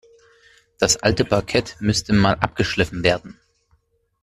Das alte Parkett müsste Mal abgeschliffen werden.